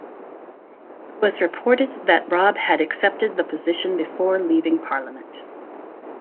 It was reported that Robb had accepted the position before leaving Parliament.